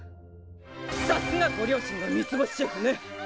さすがご両親が３つ星シェフね。